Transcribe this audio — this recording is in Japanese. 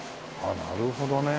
なるほどね。